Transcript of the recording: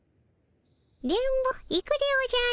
電ボ行くでおじゃる。